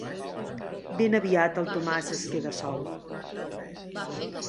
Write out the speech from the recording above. Ben aviat el Tomàs es queda sol.